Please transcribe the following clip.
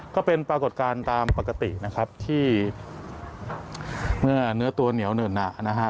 ก็เป็นปรากฏการณ์ตามปกตินะครับที่เมื่อเนื้อตัวเหนียวเหนื่นหนานะฮะ